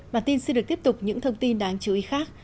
mà tin xin được tiếp tục những thông tin đáng chú ý khác